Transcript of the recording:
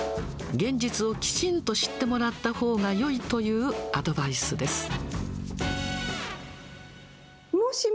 現実をきちんと知ってもらったほうがよいというアドバイスです。